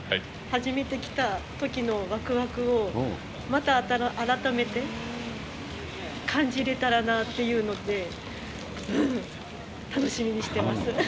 初めて来たときのわくわくを、また改めて感じれたらなというので、楽しみにしてます。